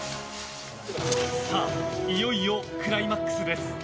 さあ、いよいよクライマックスです。